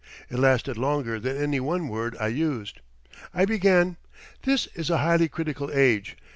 It lasted longer than any one word I used. I began: 'This is a highly critical age.